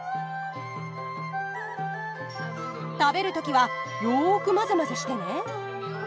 食べるときはよくまぜまぜしてね。